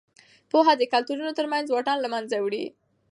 پوهه د کلتورونو ترمنځ واټن له منځه وړي.